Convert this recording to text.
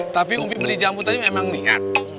sampai jumpa di video selanjutnya